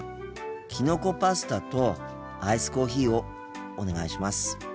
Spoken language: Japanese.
きのこパスタとアイスコーヒーをお願いします。